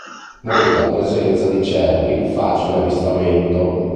Molta presenza di cervi, facile avvistamento.